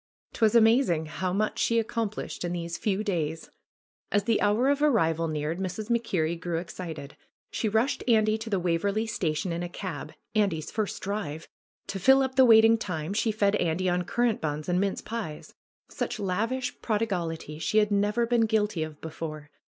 'Twas amazing how much she accomplished in those few days ! As the hour of arrival neared Mrs. MacKerrie grew 36 ANDY'S VISION excited. She rushed Andy to the Waverley Station in a cab — Andy's first drive. To fill up the waiting time, she fed Andy on currant buns and mince pies. Such lavish prodigality she had never been guilty of before.